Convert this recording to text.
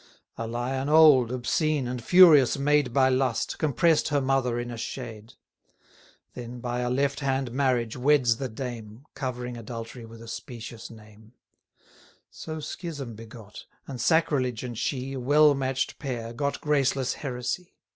350 A Lion old, obscene, and furious made By lust, compress'd her mother in a shade; Then, by a left hand marriage, weds the dame, Covering adultery with a specious name: So Schism begot; and Sacrilege and she, A well match'd pair, got graceless Heresy.